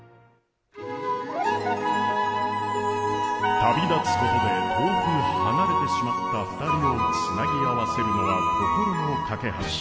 旅立つことで遠く離れてしまった２人をつなぎ合わせるのは心の架け橋。